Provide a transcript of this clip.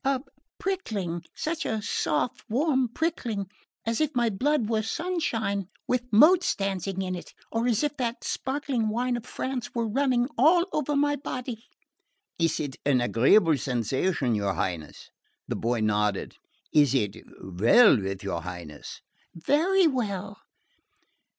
"A prickling...such a soft warm prickling...as if my blood were sunshine with motes dancing in it...or as if that sparkling wine of France were running all over my body." "It is an agreeable sensation, your Highness?" The boy nodded. "It is well with your Highness?" "Very well."